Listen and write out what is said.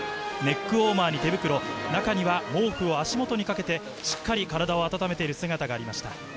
ネックウォーマーに手袋、中には毛布を足元にかけて、しっかり体を温めている姿がありました。